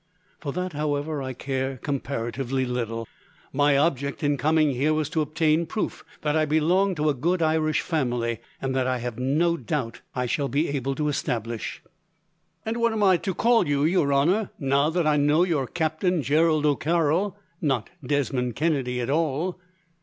For that, however, I care comparatively little. My object, in coming here, was to obtain proof that I belong to a good Irish family, and that I have no doubt I shall be able to establish." "And what am I to call you, your honour, now that I know you are Captain Gerald O'Carroll, and not Desmond Kennedy, at all?"